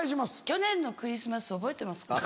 去年のクリスマス覚えてますか？